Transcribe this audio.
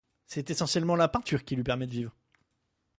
C’est essentiellement la peinture qui lui permet de vivre.